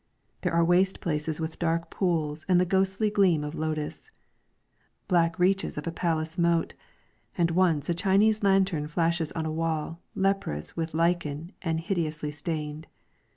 There are waste places with dark pools and the ghostly gleam of lotus ; black reaches of a palace moat ; and once a Chinese lantern flashes on a wall leprous with lichen and hideously stained.